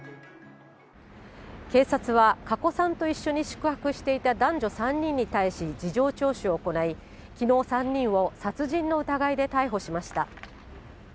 警察は加古さんと一緒に宿泊していた男女３人に対し、事情聴取を行い、きのう、３人を殺人の疑いで逮捕しました。